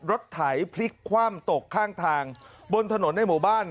ไถพลิกคว่ำตกข้างทางบนถนนในหมู่บ้าน